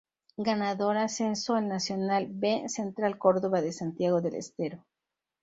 Ganador ascenso al Nacional B Central Córdoba de Santiago del Estero